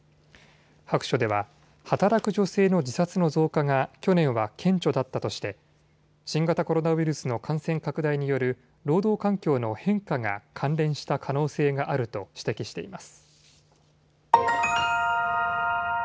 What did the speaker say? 白書では働く女性の自殺の増加が去年は顕著だったとして新型コロナウイルスの感染拡大による労働環境の変化が関連した可能性があると指摘しています。